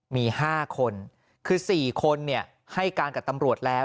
มีห้าคนคือสี่คนเนี่ยให้การกับตำรวจแล้ว